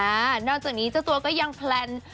นอกจากนี้เจ้าตัวก็ยังแพลน